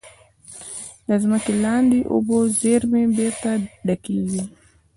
د ځمکې لاندې اوبو زیرمې بېرته ډکېږي.